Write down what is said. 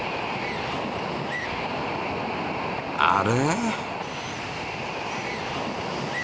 あれ？